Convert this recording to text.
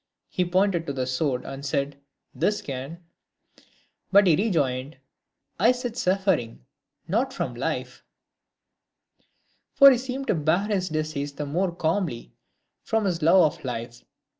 he, pointing to the sword, said, "This can;" But he rejoined, " I said from suffering, but not from life ;" for he seemed to bear his disease the more calmly •from his love of life.